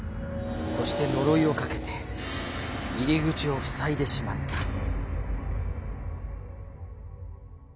そしてのろいをかけていりぐちをふさいでしまった。